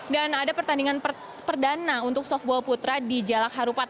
dan ada pertandingan perdana untuk softball putra di jalak harupat